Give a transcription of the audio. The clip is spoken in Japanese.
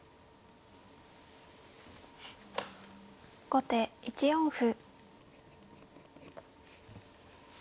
後手３四歩。